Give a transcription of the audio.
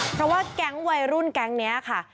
เพราะว่าแก๊งวัยรุ่นแก๊งนี้ค่ะ